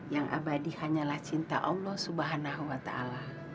yang abadi hanyalah cinta allah subhanahu wa ta'ala